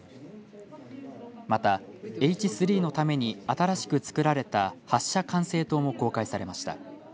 またＨ３のために新しく造られた発射管制棟も公開されました。